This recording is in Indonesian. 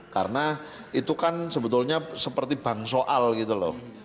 karena itu kan sebetulnya seperti bangsoal gitu loh